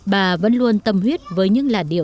bà vẫn luôn tâm huyết với những làn điện